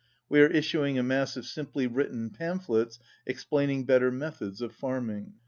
We are issuing a mass of simply written pamphlets explaining better methods of farming."